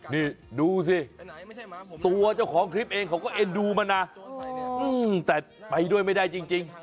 นี่ดูสิตัวเจ้าของคลิปเองเขาก็เอ็นดูมันนะแต่ไปด้วยไม่ได้จริง